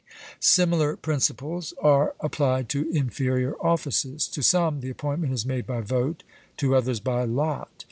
Similar principles are applied to inferior offices. To some the appointment is made by vote, to others by lot.